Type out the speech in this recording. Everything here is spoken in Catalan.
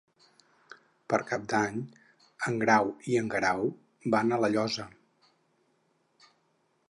Per Cap d'Any en Grau i en Guerau van a La Llosa.